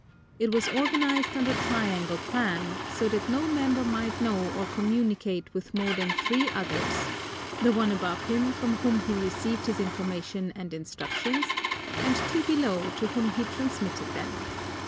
It was organized on the triangle plan, so that no member might know or communicate with more than three others the one above him from whom he received his information and instructions and two below to whom he transmitted them.